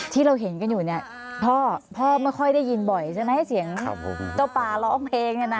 ที่เราเห็นกันอยู่เนี่ยพ่อไม่ค่อยได้ยินบ่อยใช่ไหมเสียงเจ้าปลาร้องเพลงเนี่ยนะ